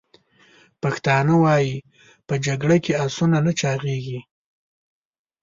پښتانه وایي: « په جګړه کې اسونه نه چاغیږي!»